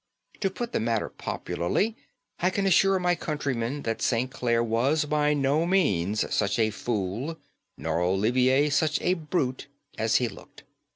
To put the matter popularly, I can assure my countrymen that St. Clare was by no means such a fool nor Olivier such a brute as he looked.